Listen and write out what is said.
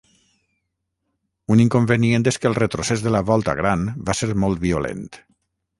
Un inconvenient és que el retrocés de la volta gran va ser molt violent.